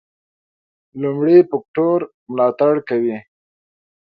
لومړي فکټور ملاتړ کوي.